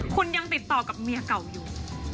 คุณยังติดต่อกับเมียเก่าอยู่